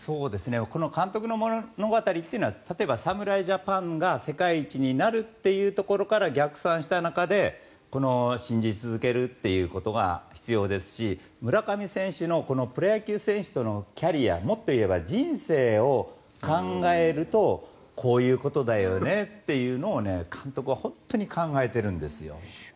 監督の物語というのは例えば侍ジャパンが世界一になるっていうところから逆算した中でこの信じ続けるということが必要ですし村上選手のプロ野球選手のキャリアもっと言えば人生を考えるとこういうことだよねっていうのを監督は本当に考えてるんですよ。